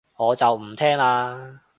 我就唔聽喇